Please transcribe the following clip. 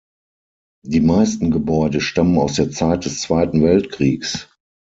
Die meisten Gebäude stammen aus der Zeit des Zweiten Weltkriegs.